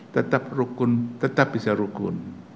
tetap rukun tetap bisa rukun